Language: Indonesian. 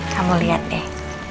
kamu lihat deh